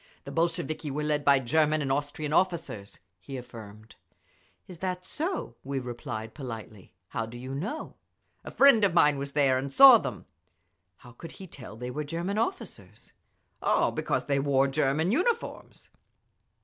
"The Bolsheviki were led by German and Austrian officers," he affirmed. "Is that so?" we replied, politely. "How do you know?" "A friend of mine was there and saw them." "How could he tell they were German officers?" "Oh, because they wore German uniforms!"